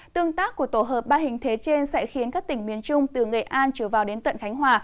tương tác của tổ hợp ba hình thế trên sẽ khiến các tỉnh miền trung từ nghệ an trở vào đến tận khánh hòa